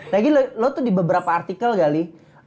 lagi lo tuh di beberapa artikel kali